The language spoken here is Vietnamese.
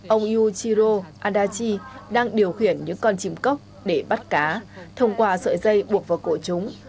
ông yuchiro adachi đang điều khiển những con chim cốc để bắt cá thông qua sợi dây buộc vào cổ chúng